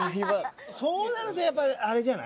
そうなるとやっぱあれじゃない？